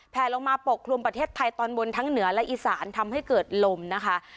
ลงมาปกคลุมประเทศไทยตอนบนทั้งเหนือและอีสานทำให้เกิดลมนะคะ